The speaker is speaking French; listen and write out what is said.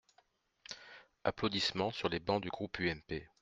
(Applaudissements sur les bancs du groupe UMP.